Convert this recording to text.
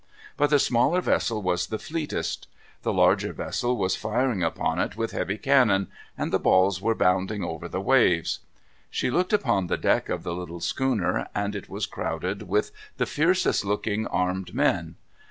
But the smaller vessel was the fleetest. The larger vessel was firing upon it with heavy cannon, and the balls were bounding over the waves. She looked upon the deck of the little schooner, and it was crowded with the fiercest looking armed men.